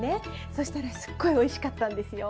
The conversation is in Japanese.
そしたらすっごいおいしかったんですよ。